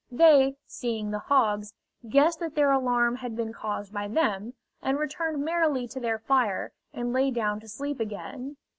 They, seeing the hogs, guessed that their alarm had been caused by them, and returned merrily to their fire and lay down to sleep again.